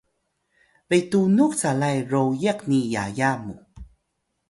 betunux calay royiq ni yaya mu